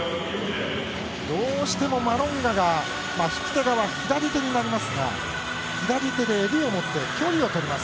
どうしてもマロンガが利き手側左手になりますが左手で襟を持って距離をとります。